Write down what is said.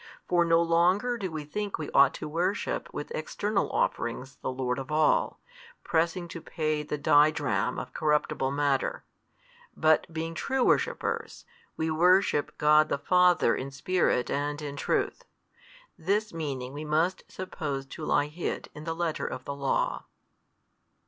For no longer do we think we ought to worship with external offerings the Lord of all, pressing to pay the didrachm of corruptible matter: but being true worshippers, we worship God the Father in Spirit and in. truth. This meaning we must suppose to lie hid in the letter of the law.